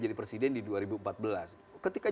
jadi presiden di dua ribu empat belas ketika